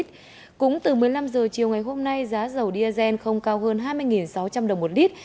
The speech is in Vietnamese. trước ngày hôm nay giá dầu diazen không cao hơn hai mươi sáu trăm linh đồng một lít